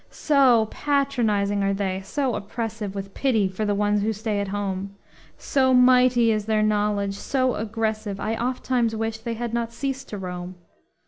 So patronizing are they, so oppressive, With pity for the ones who stay at home, So mighty is their knowledge, so aggressive, I ofttimes wish they had not ceased to roam.